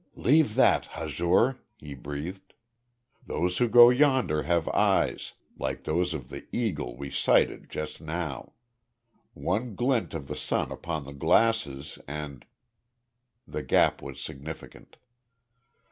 "Leave that, Hazur," he breathed. "Those who go yonder have eyes like those of the eagle we sighted just now. One glint of the sun upon the glasses, and " The gap was significant.